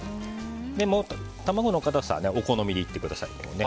卵の硬さはお好みでいってください。